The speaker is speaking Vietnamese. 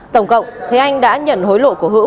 tổng cộng thế anh đã nhận hối lộ của hữu